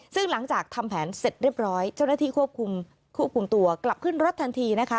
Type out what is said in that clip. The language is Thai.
ซึ่งหลังจากทำแผนเสร็จเรียบร้อยเจ้าหน้าที่ควบคุมควบคุมตัวกลับขึ้นรถทันทีนะคะ